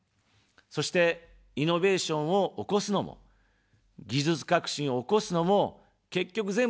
そして、イノベーションを起こすのも、技術革新を起こすのも、結局、全部、人なんです。